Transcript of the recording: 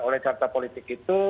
oleh carta politik itu